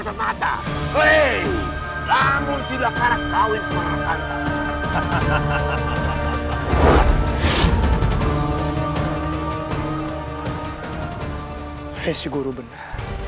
hei si guru benar